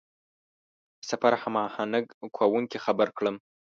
د سفر هماهنګ کوونکي خبر کړم.